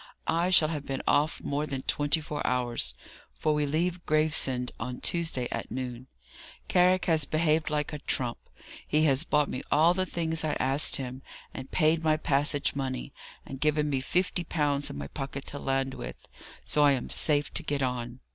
I shall have been off more than twenty four hours, for we leave Gravesend on Tuesday at noon. Carrick has behaved like a trump. He has bought me all the things I asked him, and paid my passage money, and given me fifty pounds in my pocket to land with; so I am safe to get on.